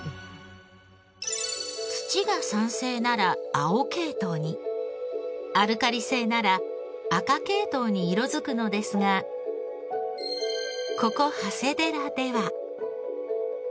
土が酸性なら青系統にアルカリ性なら赤系統に色づくのですがここ長谷寺では。